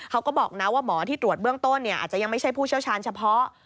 เขาก็บอกนะว่าหมอที่ตรวจเบื้องต้นอาจจะยังไม่ใช่ผู้เชี่ยวชาญเฉพาะ